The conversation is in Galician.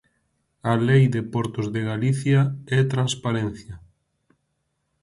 A Lei de portos de Galicia é transparencia.